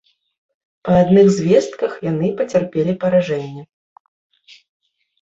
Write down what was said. Па адных звестках, яны пацярпелі паражэнне.